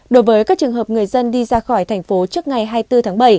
đối với các trường hợp người dân đi ra khỏi thành phố trước ngày hai mươi bốn tháng bảy